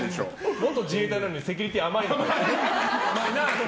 元自衛隊なのにセキュリティー甘い。